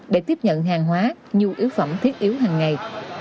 để tiếp nhận hàng hóa nhu yếu phẩm thiết yếu hằng ngày